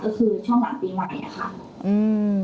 ก็คือช่องหลังปีใหม่